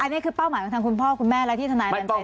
อันนี้คือเป้าหมายของทางคุณพ่อคุณแม่และที่ทนายนันชัย